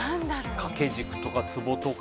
掛け軸とか、つぼとか